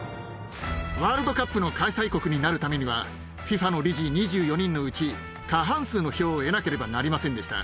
ワールドカップの開催国になるためには、ＦＩＦＡの理事２４人のうち、過半数の票を得なければなりませんでした。